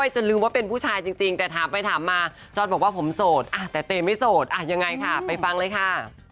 จนลืมว่าเป็นผู้ชายจริงแต่ถามไปถามมาจอนบอกว่าผมโสดแต่เตไม่โสดยังไงค่ะไปฟังเลยค่ะ